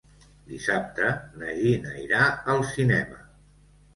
Dissabte na Gina irà al cinema.